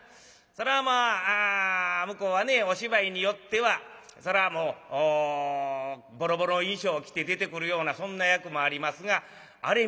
そらまあ向こうはねお芝居によってはそらもうボロボロの衣装を着て出てくるようなそんな役もありますがあれ